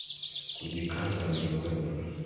Kujikaza ndio mwendo